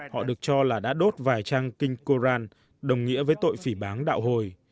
họ được cho là đã đốt vài trang kinh quran đồng nghĩa với tội phỉ bán đạo hồi